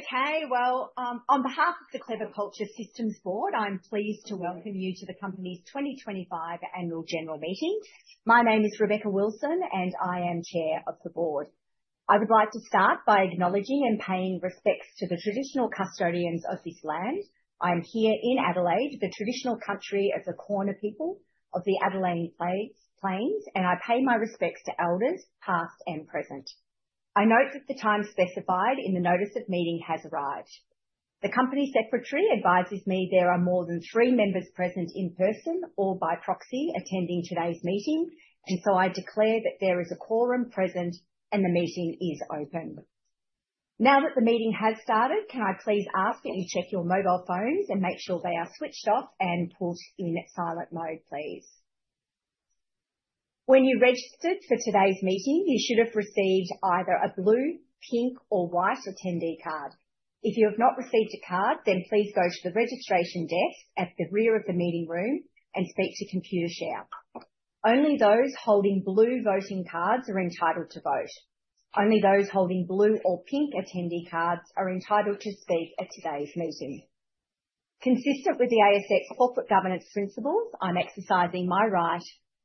Okay, well, on behalf of the Clever Culture Systems Board, I'm pleased to welcome you to the company's 2025 annual general meeting. My name is Rebecca Wilson, and I am Chair of the Board. I would like to start by acknowledging and paying respects to the traditional custodians of this land. I am here in Adelaide, the traditional country of the Kaurna people of the Adelaide Plains, and I pay my respects to elders past and present. I note that the time specified in the notice of meeting has arrived. The Company Secretary advises me there are more than three members present in person or by proxy attending today's meeting, and so I declare that there is a quorum present and the meeting is open. Now that the meeting has started, can I please ask that you check your mobile phones and make sure they are switched off and put in silent mode, please? When you registered for today's meeting, you should have received either a blue, pink, or white attendee card. If you have not received a card, then please go to the registration desk at the rear of the meeting room and speak to Computershare. Only those holding blue voting cards are entitled to vote. Only those holding blue or pink attendee cards are entitled to speak at today's meeting. Consistent with the ASX corporate governance principles, I'm exercising my right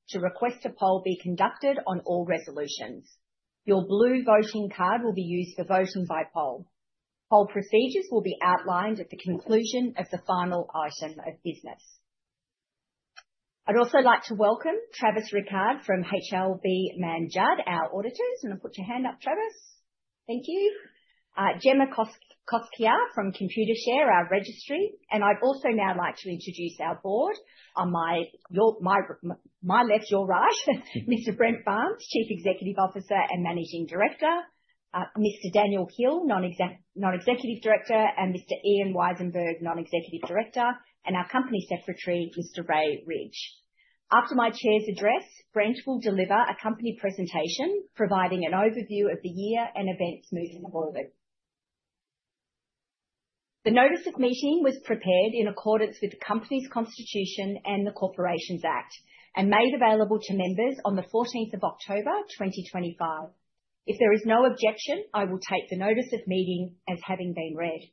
to request a poll be conducted on all resolutions. Your blue voting card will be used for voting by poll. Poll procedures will be outlined at the conclusion of the final item of business. I'd also like to welcome Travis Rickard from HLB Mann Judd, our auditors, and I'll put your hand up, Travis. Thank you. Gemma Koski from Computershare, our registry, and I'd also now like to introduce our board. On my left, your right, Mr. Brent Barnes, Chief Executive Officer and Managing Director, Mr. Daniel Hill, non-executive director, and Mr. Ian Wisenberg, non-executive director, and our company secretary, Mr. Ray Ridge. After my chair's address, Brent will deliver a company presentation providing an overview of the year and events moving forward. The notice of meeting was prepared in accordance with the company's constitution and the Corporations Act and made available to members on the 14th of October, 2025. If there is no objection, I will take the notice of meeting as having been read.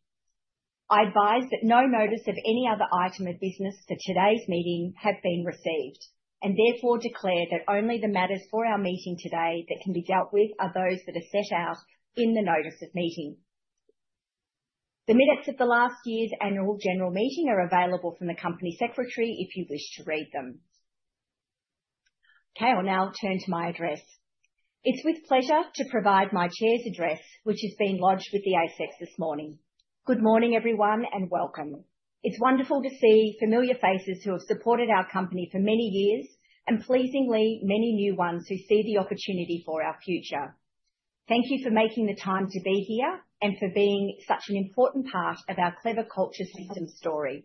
I advise that no notice of any other item of business for today's meeting have been received and therefore declare that only the matters for our meeting today that can be dealt with are those that are set out in the notice of meeting. The minutes of the last year's annual general meeting are available from the company secretary if you wish to read them. Okay, I'll now turn to my address. It's with pleasure to provide my chair's address, which has been lodged with the ASX this morning. Good morning, everyone, and welcome. It's wonderful to see familiar faces who have supported our company for many years and, pleasingly, many new ones who see the opportunity for our future. Thank you for making the time to be here and for being such an important part of our Clever Culture Systems story.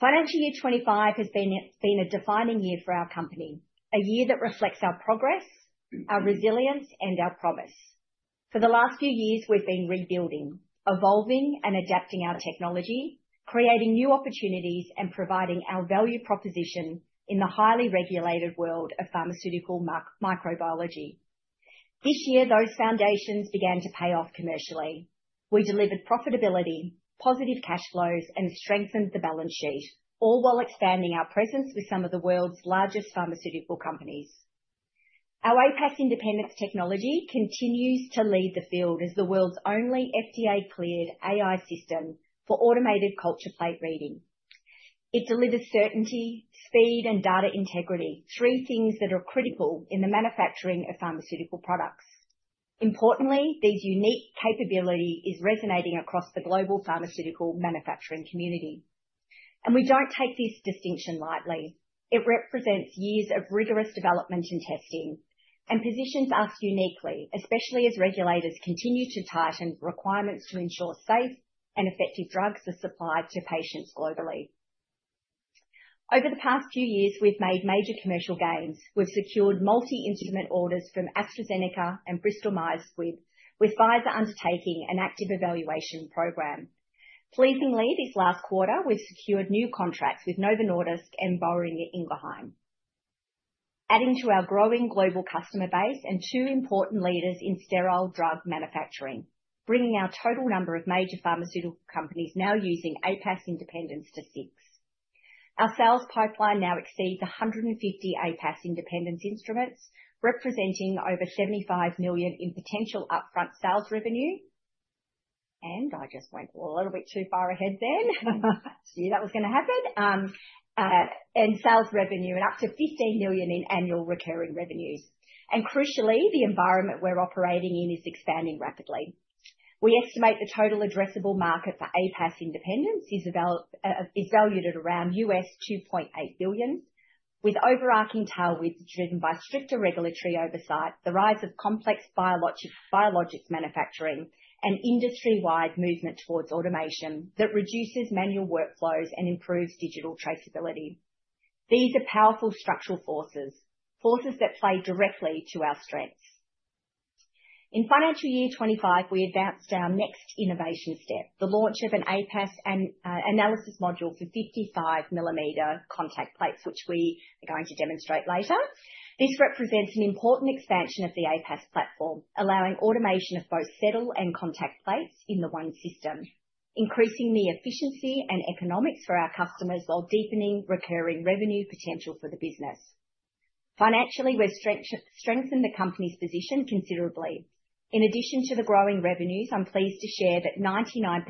Financial year 25 has been a defining year for our company, a year that reflects our progress, our resilience, and our promise. For the last few years, we've been rebuilding, evolving, and adapting our technology, creating new opportunities, and providing our value proposition in the highly regulated world of pharmaceutical microbiology. This year, those foundations began to pay off commercially. We delivered profitability, positive cash flows, and strengthened the balance sheet, all while expanding our presence with some of the world's largest pharmaceutical companies. Our APAS Independence technology continues to lead the field as the world's only FDA-cleared AI system for automated culture plate reading. It delivers certainty, speed, and data integrity, three things that are critical in the manufacturing of pharmaceutical products. Importantly, this unique capability is resonating across the global pharmaceutical manufacturing community, and we don't take this distinction lightly. It represents years of rigorous development and testing and positions us uniquely, especially as regulators continue to tighten requirements to ensure safe and effective drugs are supplied to patients globally. Over the past few years, we've made major commercial gains. We've secured multi-instrument orders from AstraZeneca and Bristol Myers Squibb, with Pfizer undertaking an active evaluation program. Pleasingly, this last quarter, we've secured new contracts with Novo Nordisk and Boehringer Ingelheim, adding to our growing global customer base and two important leaders in sterile drug manufacturing, bringing our total number of major pharmaceutical companies now using APAS Independence to six. Our sales pipeline now exceeds 150 APAS Independence instruments, representing over 75 million in potential upfront sales revenue. And I just went a little bit too far ahead then. I knew that was going to happen. And sales revenue and up to 15 million in annual recurring revenues. Crucially, the environment we're operating in is expanding rapidly. We estimate the total addressable market for APAS Independence is valued at around $2.8 billion, with overarching tailwinds driven by stricter regulatory oversight, the rise of complex biologics manufacturing, and industry-wide movement towards automation that reduces manual workflows and improves digital traceability. These are powerful structural forces, forces that play directly to our strengths. In financial year 25, we advanced our next innovation step, the launch of an APAS Analysis Module for 55-millimeter contact plates, which we are going to demonstrate later. This represents an important expansion of the APAS platform, allowing automation of both settle and contact plates in the one system, increasing the efficiency and economics for our customers while deepening recurring revenue potential for the business. Financially, we've strengthened the company's position considerably. In addition to the growing revenues, I'm pleased to share that 99%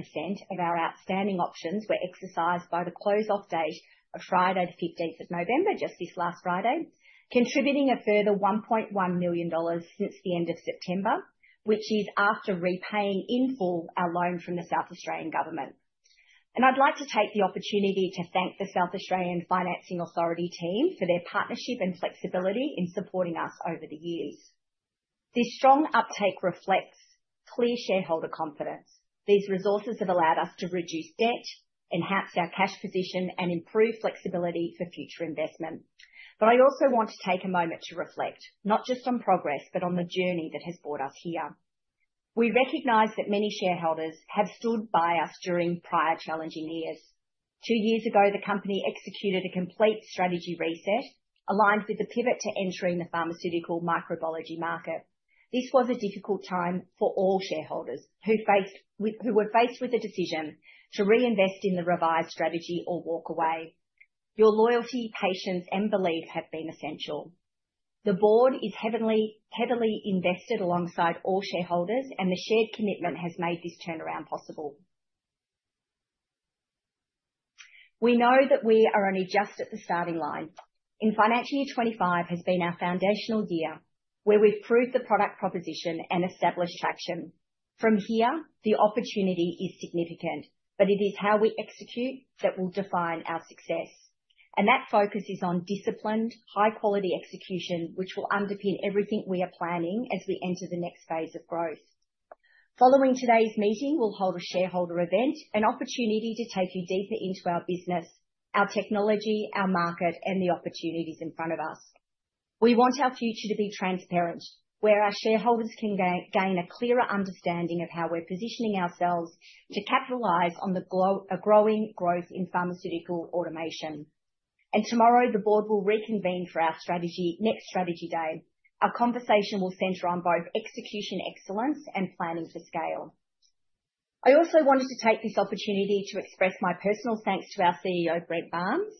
of our outstanding options were exercised by the close-off date of Friday, the 15th of November, just this last Friday, contributing a further 1.1 million dollars since the end of September, which is after repaying in full our loan from the South Australian government, and I'd like to take the opportunity to thank the South Australian Financing Authority team for their partnership and flexibility in supporting us over the years. This strong uptake reflects clear shareholder confidence. These resources have allowed us to reduce debt, enhance our cash position, and improve flexibility for future investment, but I also want to take a moment to reflect not just on progress, but on the journey that has brought us here. We recognize that many shareholders have stood by us during prior challenging years. Two years ago, the company executed a complete strategy reset aligned with the pivot to entering the pharmaceutical microbiology market. This was a difficult time for all shareholders who were faced with the decision to reinvest in the revised strategy or walk away. Your loyalty, patience, and belief have been essential. The board is heavily invested alongside all shareholders, and the shared commitment has made this turnaround possible. We know that we are only just at the starting line. In financial year 25 has been our foundational year where we've proved the product proposition and established traction. From here, the opportunity is significant, but it is how we execute that will define our success, and that focus is on disciplined, high-quality execution, which will underpin everything we are planning as we enter the next phase of growth. Following today's meeting, we'll hold a shareholder event, an opportunity to take you deeper into our business, our technology, our market, and the opportunities in front of us. We want our future to be transparent, where our shareholders can gain a clearer understanding of how we're positioning ourselves to capitalize on the growing growth in pharmaceutical automation. Tomorrow, the board will reconvene for our next strategy day. Our conversation will center on both execution excellence and planning for scale. I also wanted to take this opportunity to express my personal thanks to our CEO, Brent Barnes,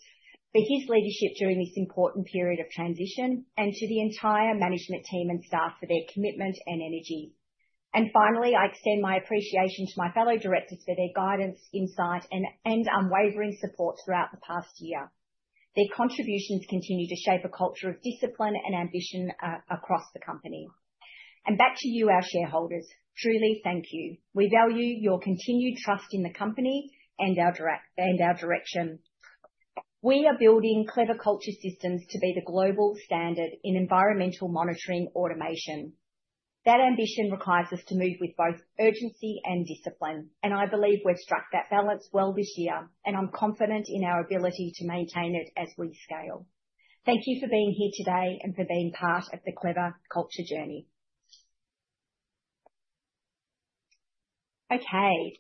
for his leadership during this important period of transition, and to the entire management team and staff for their commitment and energy. Finally, I extend my appreciation to my fellow directors for their guidance, insight, and unwavering support throughout the past year. Their contributions continue to shape a culture of discipline and ambition across the company, and back to you, our shareholders. Truly, thank you. We value your continued trust in the company and our direction. We are building Clever Culture Systems to be the global standard in environmental monitoring automation. That ambition requires us to move with both urgency and discipline, and I believe we've struck that balance well this year, and I'm confident in our ability to maintain it as we scale. Thank you for being here today and for being part of the Clever Culture journey. Okay,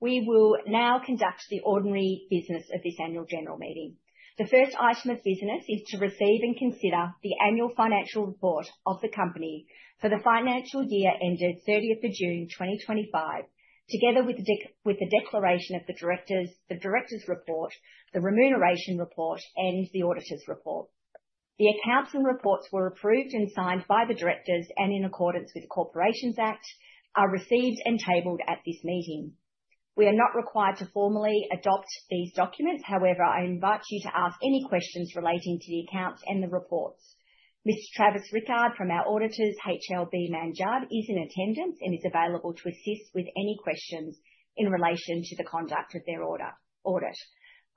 we will now conduct the ordinary business of this annual general meeting. The first item of business is to receive and consider the annual financial report of the company for the financial year ended 30th of June 2025, together with the declaration of the director's report, the remuneration report, and the auditor's report. The accounts and reports were approved and signed by the directors, and in accordance with the Corporations Act, are received and tabled at this meeting. We are not required to formally adopt these documents. However, I invite you to ask any questions relating to the accounts and the reports. Mr. Travis Rickard from our auditors, HLB Mann Judd, is in attendance and is available to assist with any questions in relation to the conduct of their audit.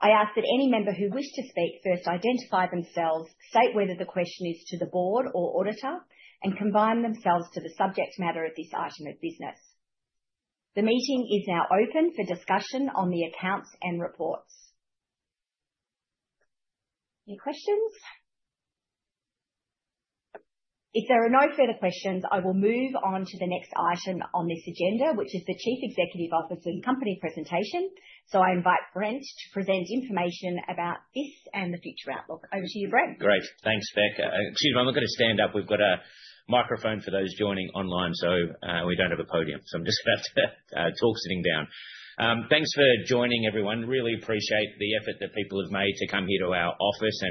I ask that any member who wishes to speak first identify themselves, state whether the question is to the board or auditor, and confine themselves to the subject matter of this item of business. The meeting is now open for discussion on the accounts and reports. Any questions? If there are no further questions, I will move on to the next item on this agenda, which is the Chief Executive Officer's company presentation. I invite Brent to present information about this and the future outlook. Over to you, Brent. Great. Thanks, Becca. Excuse me, I'm not going to stand up. We've got a microphone for those joining online, so we don't have a podium. I'm just going to talk sitting down. Thanks for joining, everyone. Really appreciate the effort that people have made to come here to our office.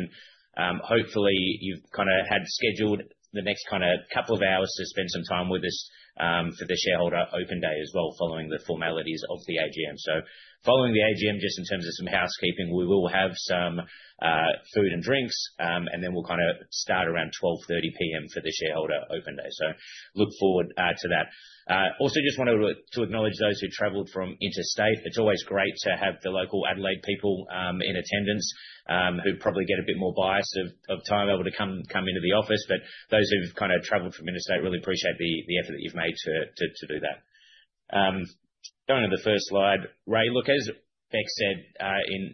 Hopefully, you've kind of had scheduled the next kind of couple of hours to spend some time with us for the shareholder open day as well, following the formalities of the AGM. Following the AGM, just in terms of some housekeeping, we will have some food and drinks, and then we'll kind of start around 12:30 P.M. for the shareholder open day. Look forward to that. Also, just wanted to acknowledge those who traveled from interstate. It's always great to have the local Adelaide people in attendance who probably get a bit more bias of time able to come into the office. Those who've kind of traveled from interstate really appreciate the effort that you've made to do that. Going to the first slide. Ray, look, as Bec said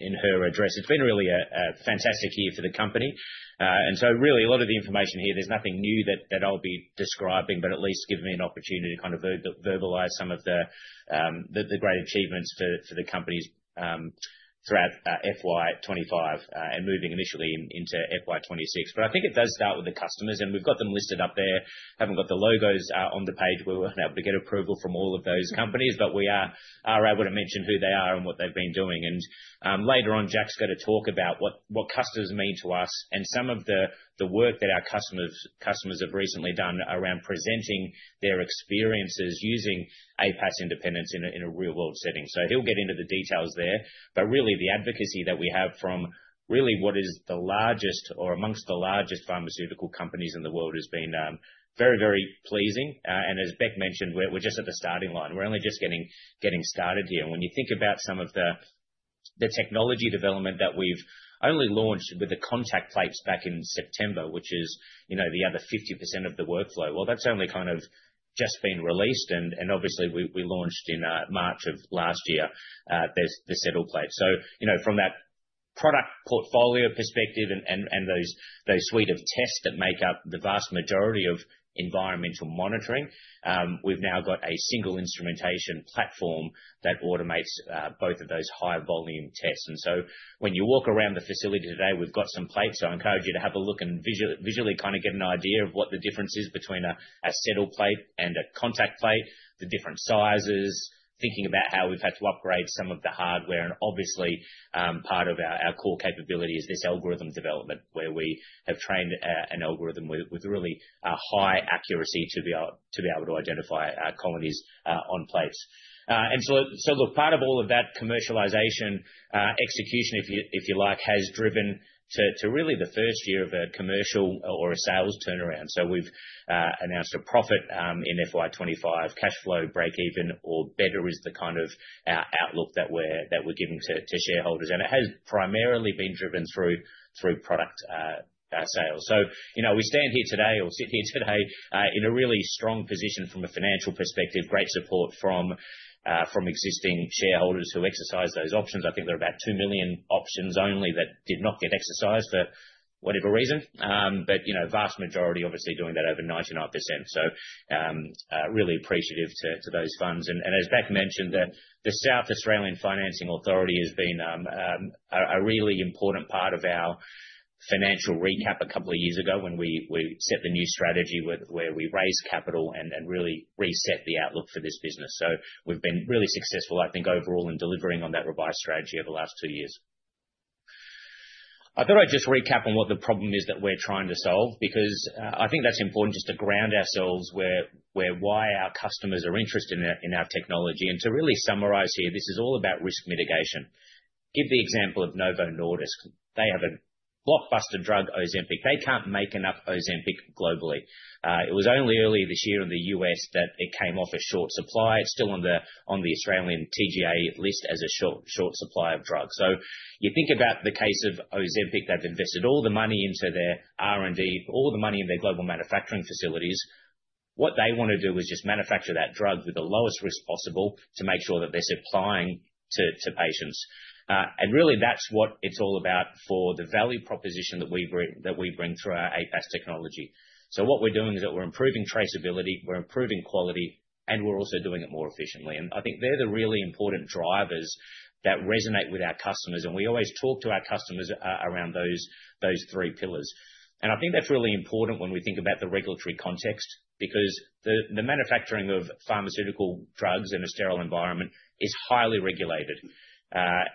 in her address, it's been really a fantastic year for the company. And so really, a lot of the information here, there's nothing new that I'll be describing, but at least give me an opportunity to kind of verbalize some of the great achievements for the companies throughout FY25 and moving initially into FY26. But I think it does start with the customers. And we've got them listed up there. Haven't got the logos on the page. We weren't able to get approval from all of those companies, but we are able to mention who they are and what they've been doing. And later on, Jack's going to talk about what customers mean to us and some of the work that our customers have recently done around presenting their experiences using APAS Independence in a real-world setting. So he'll get into the details there. But really, the advocacy that we have from really what is the largest or amongst the largest pharmaceutical companies in the world has been very, very pleasing. And as Bec mentioned, we're just at the starting line. We're only just getting started here. And when you think about some of the technology development that we've only launched with the contact plates back in September, which is the other 50% of the workflow, well, that's only kind of just been released. And obviously, we launched in March of last year the settle plate. So from that product portfolio perspective and those suite of tests that make up the vast majority of environmental monitoring, we've now got a single instrumentation platform that automates both of those high-volume tests. And so when you walk around the facility today, we've got some plates. I encourage you to have a look and visually kind of get an idea of what the difference is between a settle plate and a contact plate, the different sizes, thinking about how we've had to upgrade some of the hardware. And obviously, part of our core capability is this algorithm development where we have trained an algorithm with really high accuracy to be able to identify colonies on plates. And so look, part of all of that commercialization execution, if you like, has driven to really the first year of a commercial or a sales turnaround. We've announced a profit in FY25. Cash flow breakeven, or better, is the kind of outlook that we're giving to shareholders. And it has primarily been driven through product sales. So we stand here today or sit here today in a really strong position from a financial perspective, great support from existing shareholders who exercise those options. I think there are about two million options only that did not get exercised for whatever reason, but vast majority obviously doing that over 99%. So really appreciative to those funds. And as Bec mentioned, the South Australian Financing Authority has been a really important part of our financial recap a couple of years ago when we set the new strategy where we raised capital and really reset the outlook for this business. So we've been really successful, I think, overall in delivering on that revised strategy over the last two years. I thought I'd just recap on what the problem is that we're trying to solve because I think that's important just to ground ourselves and why our customers are interested in our technology. And to really summarize here, this is all about risk mitigation. Give the example of Novo Nordisk. They have a blockbuster drug, Ozempic. They can't make enough Ozempic globally. It was only early this year in the U.S. that it came off a short supply. It's still on the Australian TGA list as a short supply of drugs. So you think about the case of Novo Nordisk that invested all the money into their R&D, all the money in their global manufacturing facilities. What they want to do is just manufacture that drug with the lowest risk possible to make sure that they're supplying to patients. Really, that's what it's all about for the value proposition that we bring through our APAS technology. What we're doing is that we're improving traceability, we're improving quality, and we're also doing it more efficiently. I think they're the really important drivers that resonate with our customers. We always talk to our customers around those three pillars. I think that's really important when we think about the regulatory context because the manufacturing of pharmaceutical drugs in a sterile environment is highly regulated.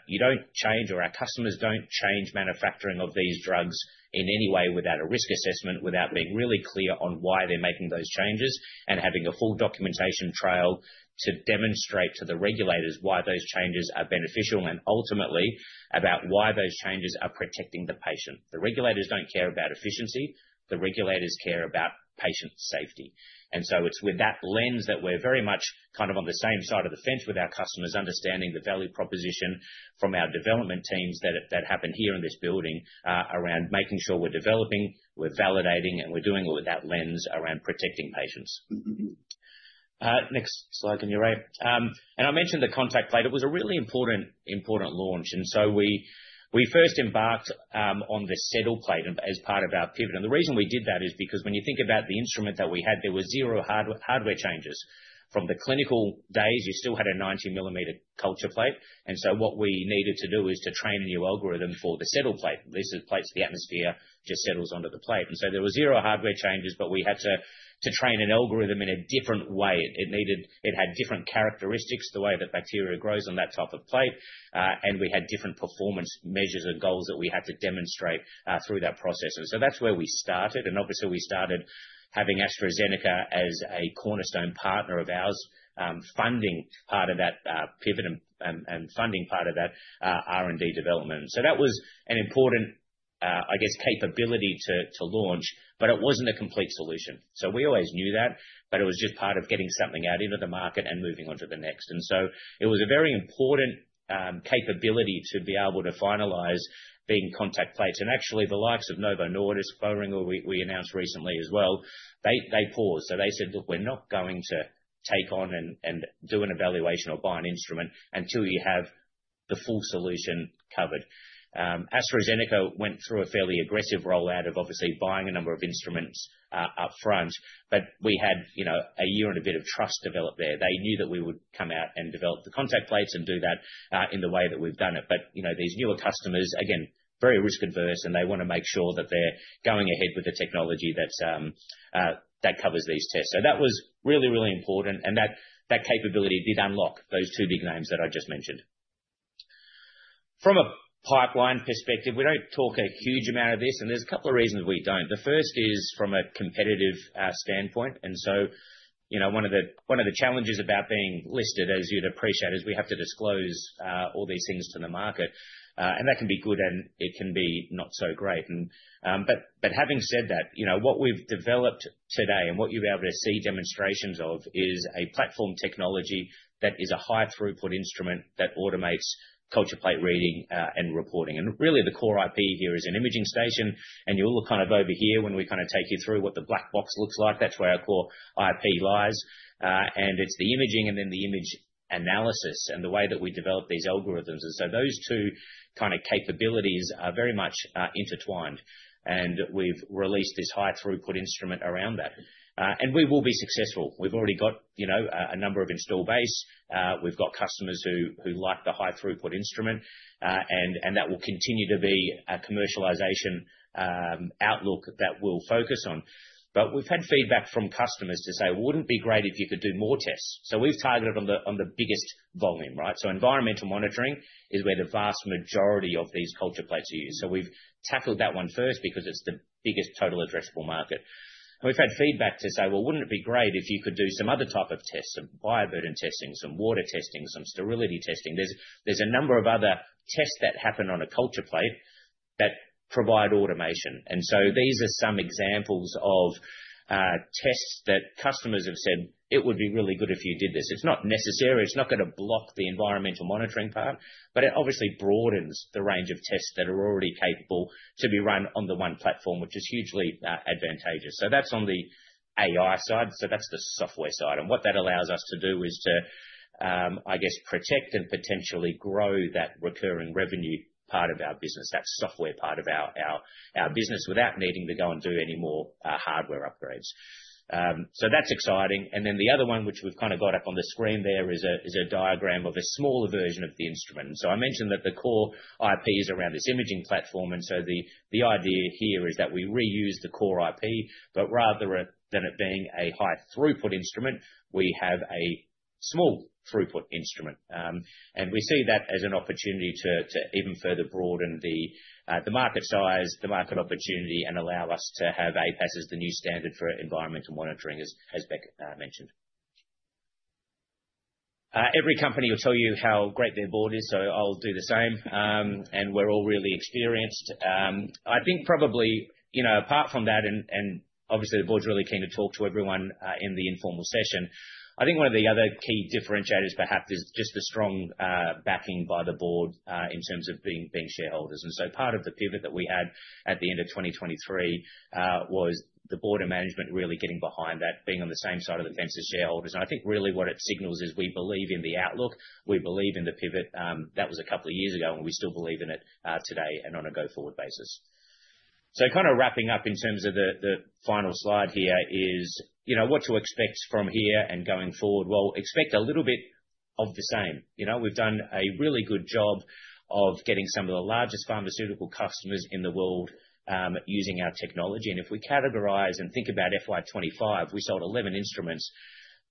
You don't change, or our customers don't change manufacturing of these drugs in any way without a risk assessment, without being really clear on why they're making those changes and having a full documentation trail to demonstrate to the regulators why those changes are beneficial and ultimately about why those changes are protecting the patient. The regulators don't care about efficiency. The regulators care about patient safety. And so it's with that lens that we're very much kind of on the same side of the fence with our customers understanding the value proposition from our development teams that happen here in this building around making sure we're developing, we're validating, and we're doing it with that lens around protecting patients. Next slide, can you, Ray? And I mentioned the contact plate. It was a really important launch. And so we first embarked on the settle plate as part of our pivot. And the reason we did that is because when you think about the instrument that we had, there were zero hardware changes. From the clinical days, you still had a 90-millimeter culture plate. And so what we needed to do is to train a new algorithm for the settle plate. This is plates in the atmosphere just settles onto the plate. And so there were zero hardware changes, but we had to train an algorithm in a different way. It had different characteristics, the way that bacteria grows on that type of plate. And we had different performance measures and goals that we had to demonstrate through that process. And so that's where we started. And obviously, we started having AstraZeneca as a cornerstone partner of ours, funding part of that pivot and funding part of that R&D development. So that was an important, I guess, capability to launch, but it wasn't a complete solution. So we always knew that, but it was just part of getting something out into the market and moving on to the next. And so it was a very important capability to be able to finalize being contact plates. And actually, the likes of Novo Nordisk, Boehringer, we announced recently as well, they paused. So they said, "Look, we're not going to take on and do an evaluation or buy an instrument until you have the full solution covered." AstraZeneca went through a fairly aggressive rollout of obviously buying a number of instruments upfront, but we had a year and a bit of trust developed there. They knew that we would come out and develop the contact plates and do that in the way that we've done it. But these newer customers, again, very risk-averse, and they want to make sure that they're going ahead with the technology that covers these tests. So that was really, really important. And that capability did unlock those two big names that I just mentioned. From a pipeline perspective, we don't talk a huge amount of this, and there's a couple of reasons we don't. The first is from a competitive standpoint, and so one of the challenges about being listed, as you'd appreciate, is we have to disclose all these things to the market, and that can be good, and it can be not so great, but having said that, what we've developed today and what you'll be able to see demonstrations of is a platform technology that is a high-throughput instrument that automates culture plate reading and reporting, and really, the core IP here is an imaging station, and you'll look kind of over here when we kind of take you through what the black box looks like. That's where our core IP lies, and it's the imaging and then the image analysis and the way that we develop these algorithms. And so those two kind of capabilities are very much intertwined. And we've released this high-throughput instrument around that. And we will be successful. We've already got a number of installed base. We've got customers who like the high-throughput instrument. And that will continue to be a commercialization outlook that we'll focus on. But we've had feedback from customers to say, "Wouldn't be great if you could do more tests." So we've targeted on the biggest volume, right? So environmental monitoring is where the vast majority of these culture plates are used. So we've tackled that one first because it's the biggest total addressable market. And we've had feedback to say, "Well, wouldn't it be great if you could do some other type of tests, some bioburden testing, some water testing, some sterility testing?" There's a number of other tests that happen on a culture plate that provide automation. These are some examples of tests that customers have said, "It would be really good if you did this." It's not necessary. It's not going to block the environmental monitoring part, but it obviously broadens the range of tests that are already capable to be run on the one platform, which is hugely advantageous. So that's on the AI side. So that's the software side. And what that allows us to do is to, I guess, protect and potentially grow that recurring revenue part of our business, that software part of our business without needing to go and do any more hardware upgrades. So that's exciting. And then the other one, which we've kind of got up on the screen there, is a diagram of a smaller version of the instrument. And so I mentioned that the core IP is around this imaging platform. The idea here is that we reuse the core IP, but rather than it being a high-throughput instrument, we have a small-throughput instrument. We see that as an opportunity to even further broaden the market size, the market opportunity, and allow us to have APAS as the new standard for environmental monitoring, as Bec mentioned. Every company will tell you how great their board is, so I'll do the same. We're all really experienced. I think probably apart from that, and obviously, the board's really keen to talk to everyone in the informal session. I think one of the other key differentiators, perhaps, is just the strong backing by the board in terms of being shareholders. And so, part of the pivot that we had at the end of 2023 was the board of management really getting behind that, being on the same side of the fence as shareholders. And I think really what it signals is we believe in the outlook. We believe in the pivot. That was a couple of years ago, and we still believe in it today and on a go-forward basis. So kind of wrapping up in terms of the final slide here is what to expect from here and going forward. Well, expect a little bit of the same. We've done a really good job of getting some of the largest pharmaceutical customers in the world using our technology. And if we categorize and think about FY25, we sold 11 instruments,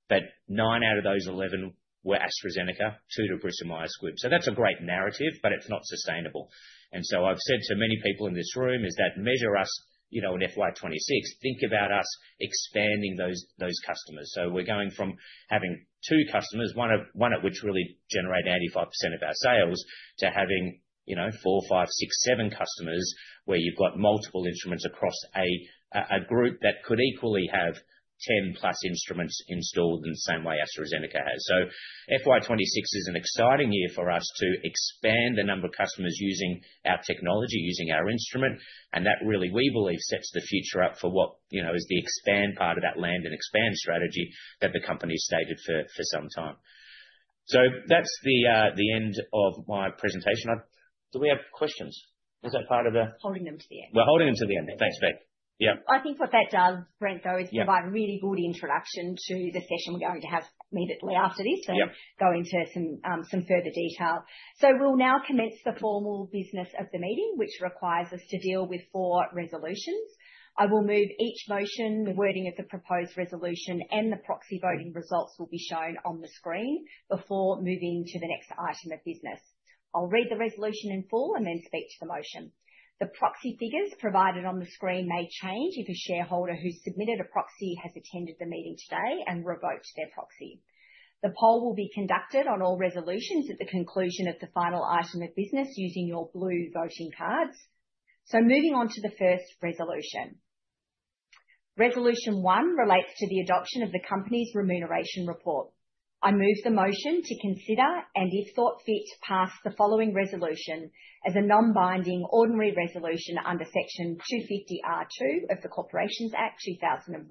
but 9 out of those 11 were AstraZeneca, 2 to Bristol Myers Squibb. So that's a great narrative, but it's not sustainable. And so I've said to many people in this room, is that measure us in FY26, think about us expanding those customers. So we're going from having two customers, one at which really generated 85% of our sales, to having four, five, six, seven customers where you've got multiple instruments across a group that could equally have 10 plus instruments installed in the same way AstraZeneca has. So FY26 is an exciting year for us to expand the number of customers using our technology, using our instrument. And that really, we believe, sets the future up for what is the expand part of that land and expand strategy that the company has stated for some time. So that's the end of my presentation. Do we have questions? Was that part of the? Holding them to the end. We're holding them to the end. Thanks, Bec. Yeah. I think what that does, Brent, though, is provide a really good introduction to the session we're going to have immediately after this and go into some further detail. So we'll now commence the formal business of the meeting, which requires us to deal with four resolutions. I will move each motion, the wording of the proposed resolution, and the proxy voting results will be shown on the screen before moving to the next item of business. I'll read the resolution in full and then speak to the motion. The proxy figures provided on the screen may change if a shareholder who submitted a proxy has attended the meeting today and revoked their proxy. The poll will be conducted on all resolutions at the conclusion of the final item of business using your blue voting cards. So moving on to the first resolution. Resolution one relates to the adoption of the company's remuneration report. I move the motion to consider, and if thought fit, pass the following resolution as a non-binding ordinary resolution under section 250R(2) of the Corporations Act 2001,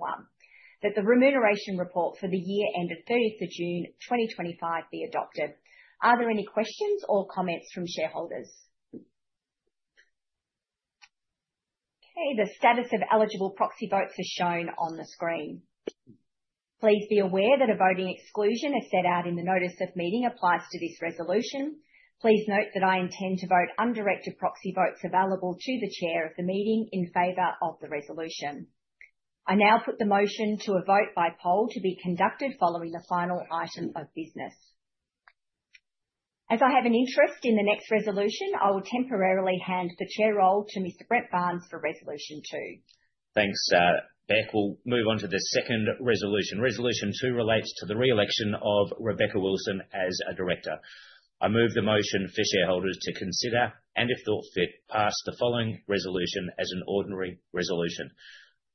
that the remuneration report for the year ended 30th of June 2025 be adopted. Are there any questions or comments from shareholders? Okay. The status of eligible proxy votes is shown on the screen. Please be aware that a voting exclusion is set out in the notice of meeting applies to this resolution. Please note that I intend to vote undirected proxy votes available to the chair of the meeting in favor of the resolution. I now put the motion to a vote by poll to be conducted following the final item of business. As I have an interest in the next resolution, I will temporarily hand the chair role to Mr. Brent Barnes for resolution two. Thanks, Bec. We'll move on to the second resolution. Resolution two relates to the reelection of Rebecca Wilson as a director. I move the motion for shareholders to consider and, if thought fit, pass the following resolution as an ordinary resolution.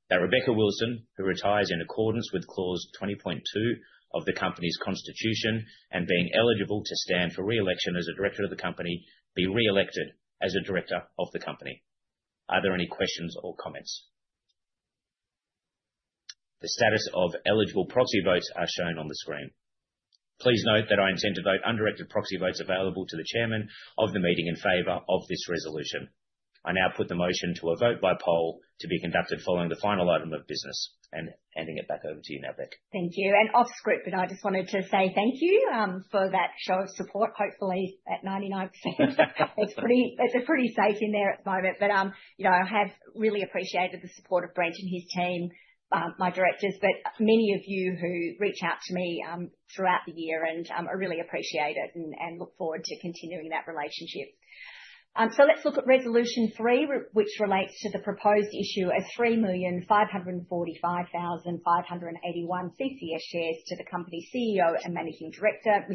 That Rebecca Wilson, who retires in accordance with clause 20.2 of the company's constitution and being eligible to stand for reelection as a director of the company, be reelected as a director of the company. Are there any questions or comments? The status of eligible proxy votes are shown on the screen. Please note that I intend to vote undirected proxy votes available to the chairman of the meeting in favor of this resolution. I now put the motion to a vote by poll to be conducted following the final item of business. And handing it back over to you now, Bec. Thank you. And off script, I just wanted to say thank you for that show of support, hopefully at 99%. It's pretty safe in there at the moment. But I have really appreciated the support of Brent and his team, my directors, but many of you who reach out to me throughout the year and are really appreciated and look forward to continuing that relationship. So let's look at resolution three, which relates to the proposed issue of 3,545,581 CCS shares to the company's CEO and Managing Director,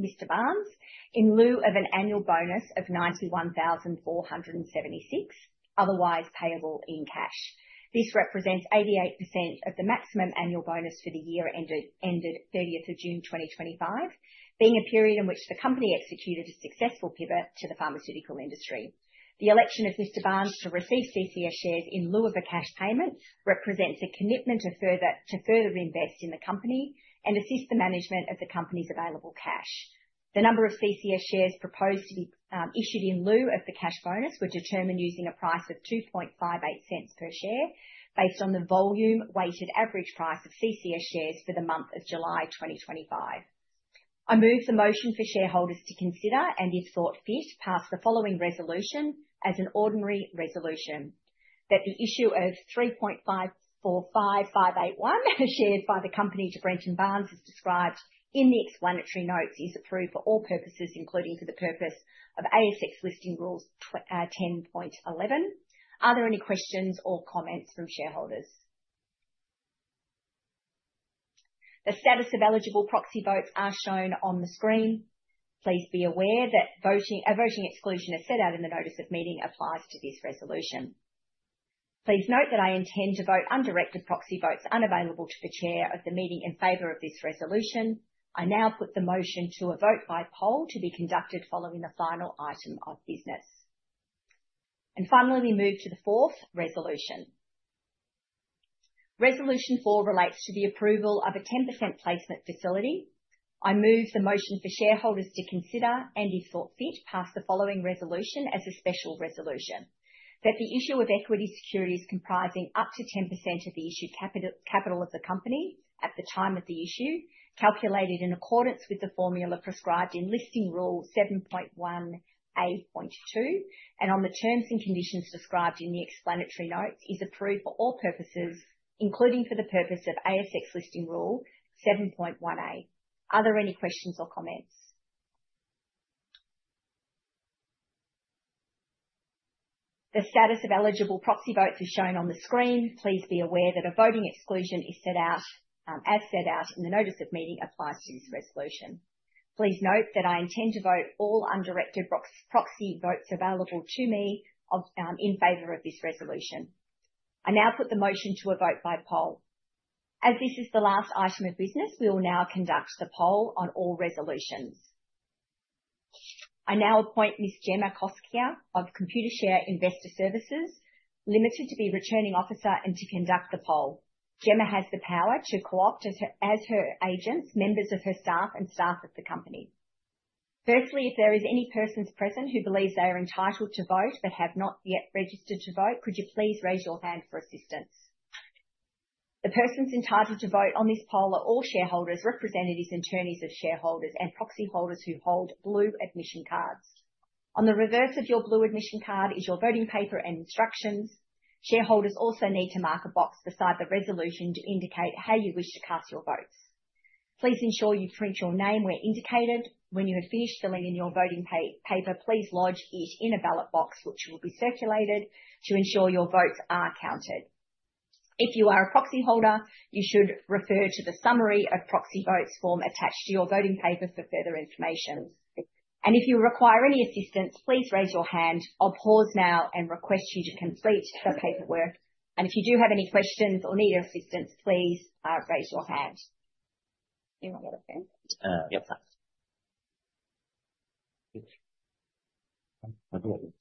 Mr. Barnes, in lieu of an annual bonus of 91,476, otherwise payable in cash. This represents 88% of the maximum annual bonus for the year ended 30th of June 2025, being a period in which the company executed a successful pivot to the pharmaceutical industry. The election of Mr. Barnes to receive CCS shares in lieu of a cash payment represents a commitment to further invest in the company and assist the management of the company's available cash. The number of CCS shares proposed to be issued in lieu of the cash bonus were determined using a price of 0.0258 per share based on the volume-weighted average price of CCS shares for the month of July 2025. I move the motion for shareholders to consider and, if thought fit, pass the following resolution as an ordinary resolution. That the issue of 3,545,581 shares by the company to Brent Barnes as described in the explanatory notes is approved for all purposes, including for the purpose of ASX Listing Rules 10.11. Are there any questions or comments from shareholders? The status of eligible proxy votes are shown on the screen. Please be aware that a voting exclusion is set out in the notice of meeting applies to this resolution. Please note that I intend to vote undirected proxy votes unavailable to the chair of the meeting in favor of this resolution. I now put the motion to a vote by poll to be conducted following the final item of business. And finally, we move to the fourth resolution. Resolution four relates to the approval of a 10% placement facility. I move the motion for shareholders to consider and, if thought fit, pass the following resolution as a special resolution. That the issue of equity securities comprising up to 10% of the issued capital of the company at the time of the issue, calculated in accordance with the formula prescribed in Listing Rule 7.1a.2, and on the terms and conditions described in the explanatory notes, is approved for all purposes, including for the purpose of ASX Listing Rule 7.1a. Are there any questions or comments? The status of eligible proxy votes is shown on the screen. Please be aware that a voting exclusion, as set out in the notice of meeting, applies to this resolution. Please note that I intend to vote all undirected proxy votes available to me in favor of this resolution. I now put the motion to a vote by poll. As this is the last item of business, we will now conduct the poll on all resolutions. I now appoint Ms. Gemma Koski of Computershare Investor Services Limited to be returning officer and to conduct the poll. Gemma has the power to co-opt as her agents members of her staff and staff of the company. Firstly, if there is any persons present who believe they are entitled to vote but have not yet registered to vote, could you please raise your hand for assistance? The persons entitled to vote on this poll are all shareholders, representatives, attorneys of shareholders, and proxy holders who hold blue admission cards. On the reverse of your blue admission card is your voting paper and instructions. Shareholders also need to mark a box beside the resolution to indicate how you wish to cast your votes. Please ensure you print your name where indicated. When you have finished filling in your voting paper, please lodge it in a ballot box, which will be circulated to ensure your votes are counted. If you are a proxy holder, you should refer to the summary of proxy votes form attached to your voting paper for further information, and if you require any assistance, please raise your hand or pause now and request you to complete the paperwork, and if you do have any questions or need assistance, please raise your hand. Has anyone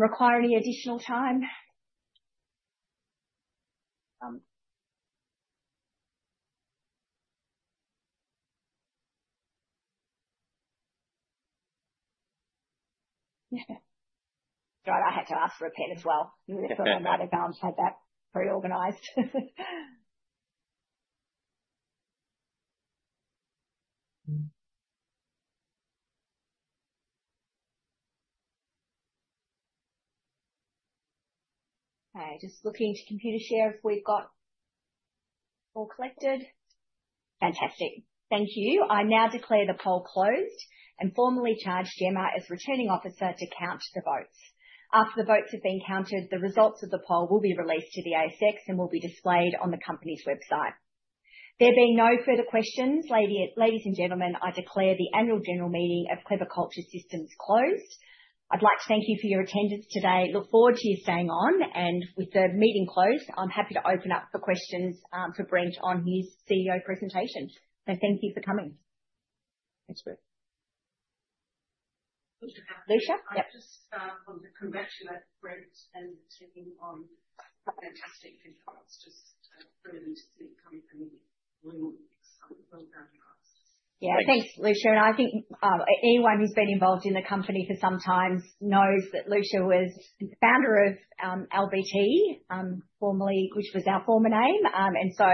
required any additional time? Yeah. Right. I had to ask for a pen as well. I'm not advanced. I had that pre-organized. Okay. Just looking to Computershare if we've got all collected. Fantastic. Thank you. I now declare the poll closed and formally charge Gemma as returning officer to count the votes. After the votes have been counted, the results of the poll will be released to the ASX and will be displayed on the company's website. There being no further questions, ladies and gentlemen, I declare the annual general meeting of Clever Culture Systems closed. I'd like to thank you for your attendance today. Look forward to you staying on. And with the meeting closed, I'm happy to open up for questions for Brent on his CEO presentation. So thank you for coming. Thanks, Bec. Lusia? Yep. Just want to congratulate Brent and the team on fantastic results. Just brilliant to see you coming to the meeting. Well done, guys. Yeah. Thanks, Luscia. And I think anyone who's been involved in the company for some time knows that Lusia was the founder of LBT, which was our former name. And so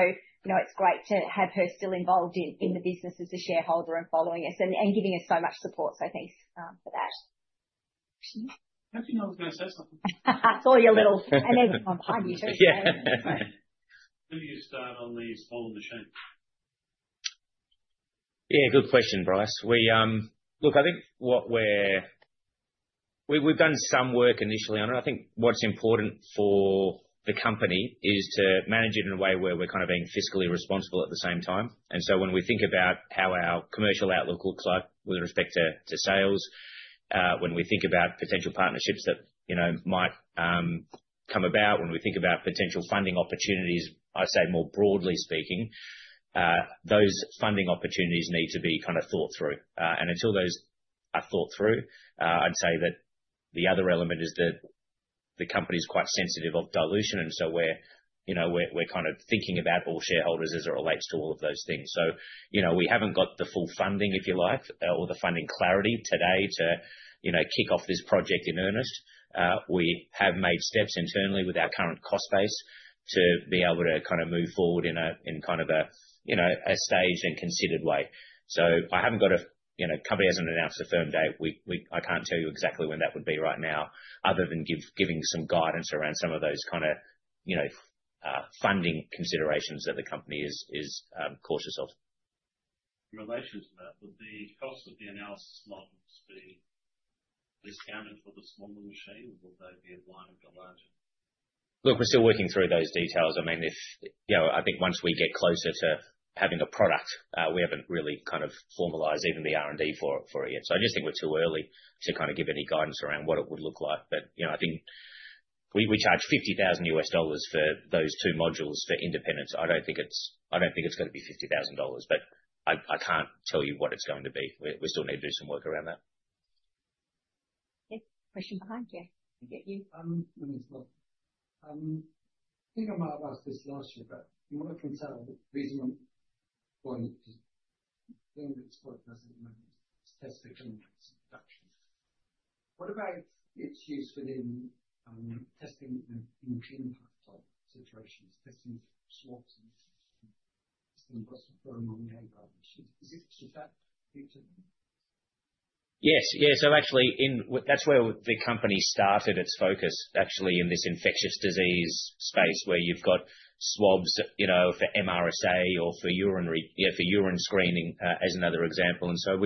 it's great to have her still involved in the business as a shareholder and following us and giving us so much support. So thanks for that. I think I was going to say something. I saw your little enigma behind you too. Yeah. When do you start on the small machine? Yeah. Good question, Bryce. Look, I think what we've done some work initially on it. I think what's important for the company is to manage it in a way where we're kind of being fiscally responsible at the same time. And so when we think about how our commercial outlook looks like with respect to sales, when we think about potential partnerships that might come about, when we think about potential funding opportunities, I say more broadly speaking, those funding opportunities need to be kind of thought through. Until those are thought through, I'd say that the other element is that the company is quite sensitive of dilution. And so we're kind of thinking about all shareholders as it relates to all of those things. So we haven't got the full funding, if you like, or the funding clarity today to kick off this project in earnest. We have made steps internally with our current cost base to be able to kind of move forward in kind of a staged and considered way. So the company hasn't announced a firm date. I can't tell you exactly when that would be right now other than giving some guidance around some of those kind of funding considerations that the company is cautious of. Relation to that, would the cost of the analysis models be discounted for the smaller machine, or would they be aligned with the larger? Look, we're still working through those details. I mean, I think once we get closer to having a product, we haven't really kind of formalized even the R&D for it yet. So I just think we're too early to kind of give any guidance around what it would look like. But I think we charge $50,000 for those two modules for Independence. I don't think it's going to be $50,000, but I can't tell you what it's going to be. We still need to do some work around that. Okay. Question behind you. I get you. I think I might have asked this last year, but from what I can tell, the reason I'm going on is being a bit of a spoiled person, testing and production. What about its use within testing in cleaning pipeline situations, testing swabs and testing what's going on in the air issues? Is that future? Yes. Yeah, so actually, that's where the company started its focus, actually, in this infectious disease space where you've got swabs for MRSA or for urine screening as another example, and so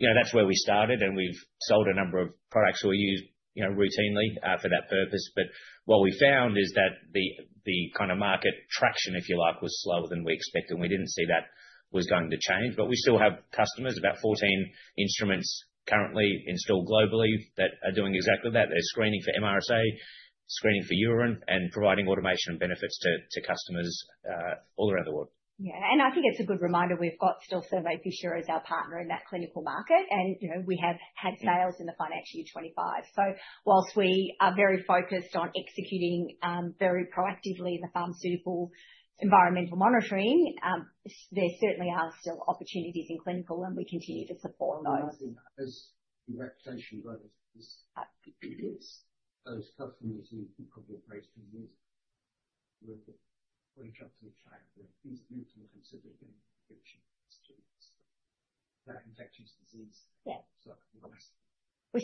that's where we started. And we've sold a number of products we use routinely for that purpose. But what we found is that the kind of market traction, if you like, was slower than we expected. And we didn't see that was going to change. But we still have customers, about 14 instruments currently installed globally that are doing exactly that. They're screening for MRSA, screening for urine, and providing automation and benefits to customers all around the world. Yeah, and I think it's a good reminder. We've got still Thermo Fisher Scientific as our partner in that clinical market, and we have had sales in the financial year '25. So whilst we are very focused on executing very proactively the pharmaceutical environmental monitoring, there certainly are still opportunities in clinical, and we continue to support those. As reputation grows, those customers who probably have raised some really good, very jumping track, these are going to be considered in the future. Customers that infectious disease. Yeah. We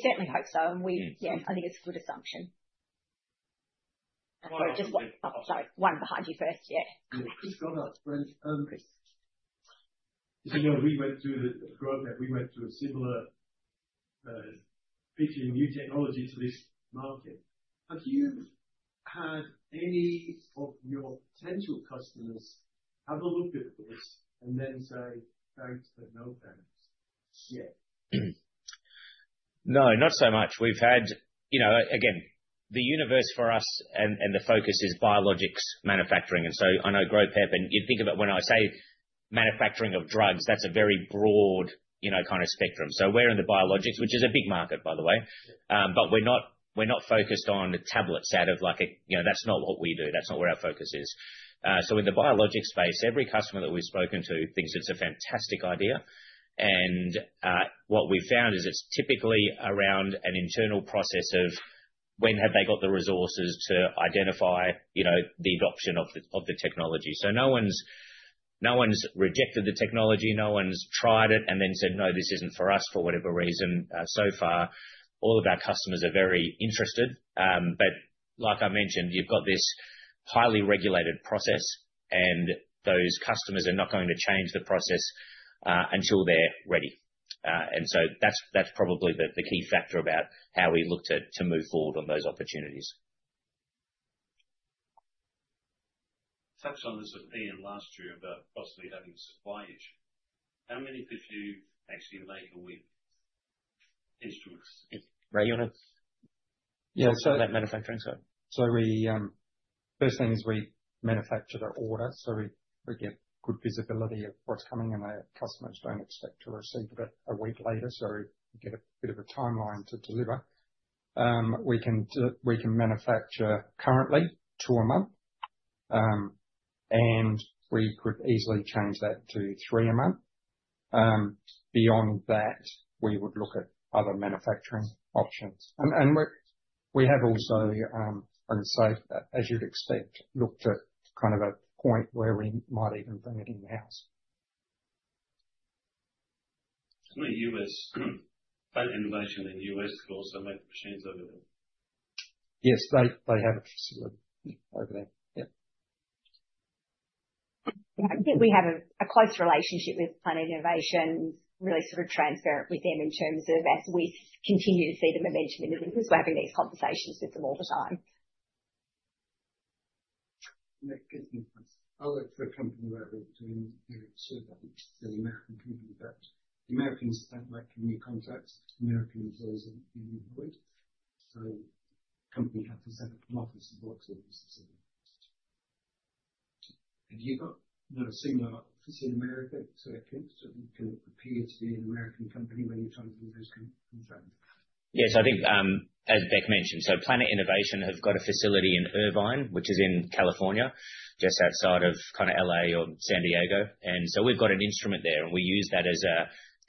certainly hope so, and yeah, I think it's a good assumption. Sorry. Sorry. One behind you first. Yeah. Scott, that's Brent. Isabel, we went through the growth that we went through a similar pitching new technology to this market. Have you had any of your potential customers have a look at this and then say, "Thanks, but no thanks"? Yeah. No, not so much. We've had, again, the universe for us and the focus is biologics manufacturing, and so I know GroPep, and you think of it when I say manufacturing of drugs, that's a very broad kind of spectrum, so we're in the biologics, which is a big market, by the way. But we're not focused on tablets. Out of that, that's not what we do. That's not where our focus is, so in the biologics space, every customer that we've spoken to thinks it's a fantastic idea, and what we've found is it's typically around an internal process of when have they got the resources to identify the adoption of the technology. So no one's rejected the technology. No one's tried it and then said, "No, this isn't for us for whatever reason." So far, all of our customers are very interested. But like I mentioned, you've got this highly regulated process, and those customers are not going to change the process until they're ready. And so that's probably the key factor about how we look to move forward on those opportunities. Touch on this with Ian last year about possibly having a supply issue. How many did you actually make a week? Instruments. Ready on it? Yeah. So that manufacturing side. So first thing is we manufacture the order. So we get good visibility of what's coming, and our customers don't expect to receive it a week later. So we get a bit of a timeline to deliver. We can manufacture currently two a month, and we could easily change that to three a month. Beyond that, we would look at other manufacturing options, and we have also, I would say, as you'd expect, looked at kind of a point where we might even bring it in-house. I know Planet Innovation in the US could also make machines over there. Yes. They have a facility over there. Yeah. I think we have a close relationship with Planet Innovation, really sort of transparent with them in terms of as we continue to see the momentum in the business. We're having these conversations with them all the time. Make good inputs. I worked for a company where we were doing surveying in the American community, but the Americans don't like new contacts. American employees are new employees. So the company had to set up an office in Broxley in the US. Have you got a similar office in America to a Kingston? You can appear to be an American company when you're trying to do those contracts. Yes. I think, as Beck mentioned, so Planet Innovation has got a facility in Irvine, which is in California, just outside of kind of LA or San Diego, and so we've got an instrument there, and we use that as a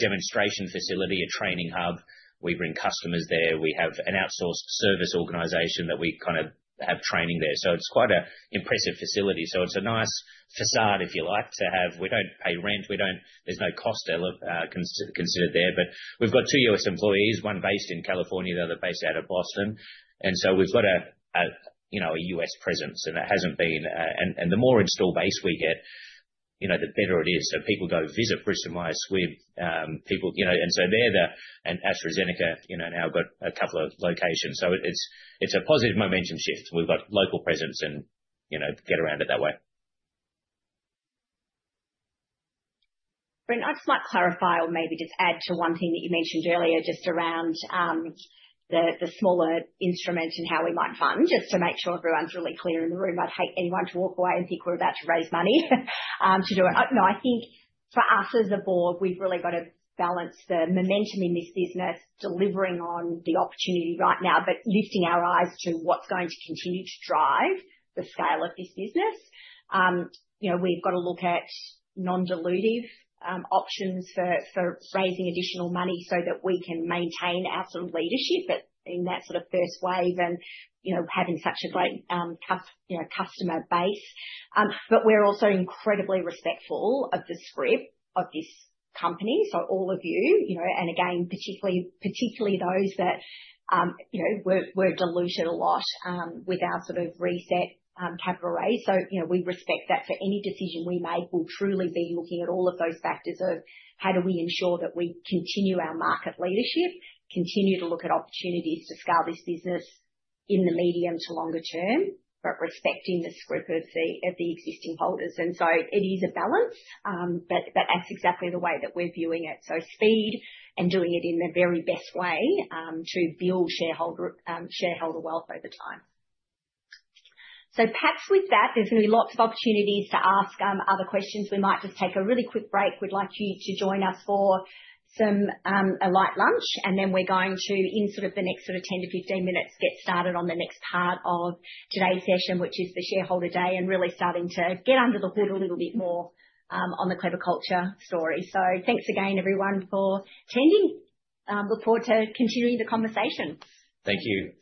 demonstration facility, a training hub. We bring customers there. We have an outsourced service organization that we kind of have training there. So it's quite an impressive facility. It's a nice facade, if you like, to have. We don't pay rent. There's no cost considered there, but we've got two U.S. employees, one based in California. The other based out of Boston, and so we've got a U.S. presence, and it hasn't been and the more installed base we get, the better it is, so people go visit Bristol Myers Squibb. And so there are, and AstraZeneca now got a couple of locations, so it's a positive momentum shift. We've got local presence and get around it that way. Brent, I'd just like to clarify or maybe just add to one thing that you mentioned earlier, just around the smaller instrument and how we might fund, just to make sure everyone's really clear in the room. I'd hate anyone to walk away and think we're about to raise money to do it. No, I think for us as a board, we've really got to balance the momentum in this business, delivering on the opportunity right now, but lifting our eyes to what's going to continue to drive the scale of this business. We've got to look at non-dilutive options for raising additional money so that we can maintain our sort of leadership in that sort of first wave and having such a great customer base. But we're also incredibly respectful of the scrip of this company, so all of you. And again, particularly those that were diluted a lot with our sort of reset capital raise. So we respect that for any decision we make, we'll truly be looking at all of those factors of how do we ensure that we continue our market leadership, continue to look at opportunities to scale this business in the medium to longer term, but respecting the scrip of the existing holders. And so it is a balance, but that's exactly the way that we're viewing it. So speed and doing it in the very best way to build shareholder wealth over time. So perhaps with that, there's going to be lots of opportunities to ask other questions. We might just take a really quick break. We'd like you to join us for a light lunch. And then we're going to, in sort of the next sort of 10 to 15 minutes, get started on the next part of today's session, which is the shareholder day and really starting to get under the hood a little bit more on the Clever Culture story. So thanks again, everyone, for attending. Look forward to continuing the conversation. Thank you.